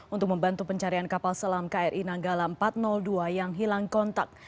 untuk membantu pencarian kapal selam kri nanggala empat ratus dua yang hilang kontak